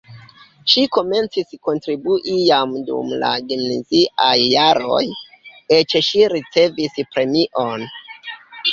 Ŝi komencis kontribui jam dum la gimnaziaj jaroj, eĉ ŝi ricevis premion.